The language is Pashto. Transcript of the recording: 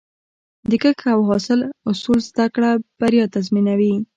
د کښت او حاصل اصول زده کړه، بریا تضمینوي.